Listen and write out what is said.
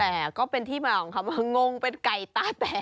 แต่ก็เป็นที่เมื่อกำลังทำงงเป็นไก่ตาแตก